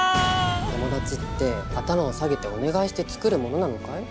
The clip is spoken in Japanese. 友達って頭を下げてお願いして作るものなのかい？